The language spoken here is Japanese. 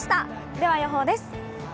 では、予報です。